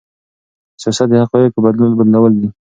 سياست د حقايقو بدلول دي.